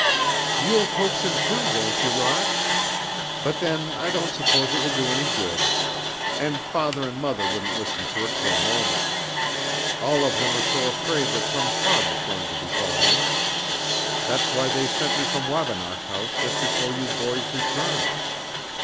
"You'll coax him, too, won't you, Rod? But then, I don't suppose it will do any good. And father and mother wouldn't listen to it for a moment. All of them are so afraid that some harm is going to befall me. That's why they sent me from Wabinosh House just before you boys returned.